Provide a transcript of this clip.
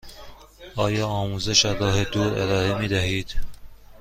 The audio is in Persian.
آیا آموزش از راه دور ارائه می دهید؟